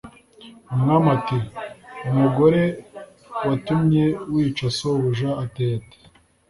umwami ati"umugore watumye wica sobuja ateye ate?"